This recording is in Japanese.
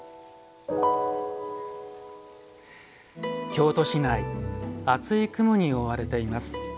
京都市内厚い雲に覆われています。